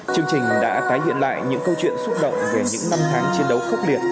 chương trình đã tái hiện lại những câu chuyện xúc động về những năm tháng chiến đấu khốc liệt